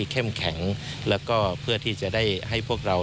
เข้มแข็งแล้วก็เพื่อที่จะได้ให้พวกเรา